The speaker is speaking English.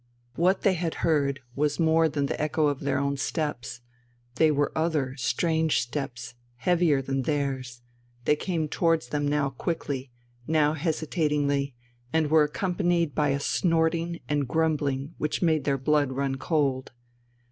What they had heard was more than the echo of their own steps, they were other, strange steps, heavier than theirs; they came towards them now quickly, now hesitatingly, and were accompanied by a snorting and grumbling which made their blood run cold.